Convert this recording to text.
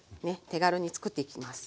手軽に作っていきます。